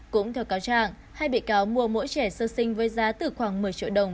cũng theo cáo trạng hai bị cáo mua mỗi trẻ sơ sinh với giá từ khoảng một mươi triệu đồng